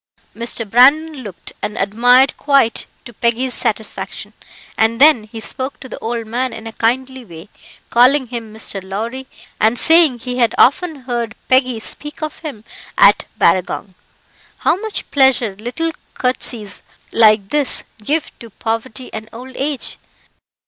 Mr. Brandon looked and admired quite to Peggy's satisfaction; and then he spoke to the old man in a kindly way, calling him Mr. Lowrie, and saying he had often heard Peggy speak of him at Barragong. How much pleasure little courtesies like this give to poverty and old age!